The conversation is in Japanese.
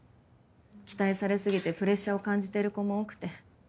期待され過ぎてプレッシャーを感じてる子も多くて。